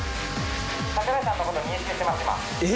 櫻井さんのことを認識してまええ？